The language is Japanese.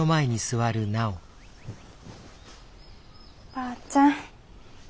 ばあちゃん